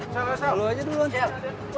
kalo aja dulu ancel